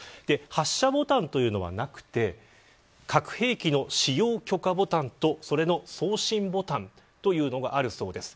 発射ボタンというものはなくて核兵器の使用許可ボタンとそれの送信ボタンというのがあるそうです。